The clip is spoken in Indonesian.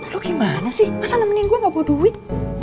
lu gimana sih pasal nemenin gua nggak bawa duit